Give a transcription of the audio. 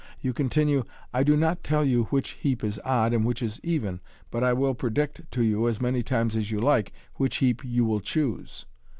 You continue, '* I do not tell you which heap is odd and which is even, but I will predict to you, as many times as you like, which heap you will choose.